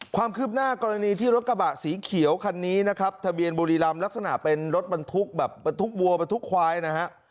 ความคืบหน้ากรณีที่รถกระบะสีเขียวคันนี้นะครับทะเบียนบุรีรำลักษณะเป็นรถบรรทุกแบบบรรทุกวัวบรรทุกควายนะฮะ